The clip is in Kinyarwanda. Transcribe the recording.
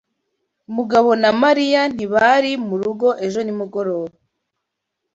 Mugabo na Mariya ntibari murugo ejo nimugoroba.